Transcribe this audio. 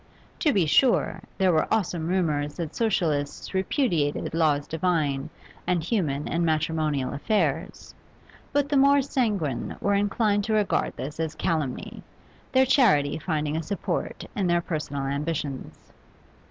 To be sure, there were awesome rumours that Socialists repudiated laws divine and human in matrimonial affairs, but the more sanguine were inclined to regard this as calumny, their charity finding a support in their personal ambitions.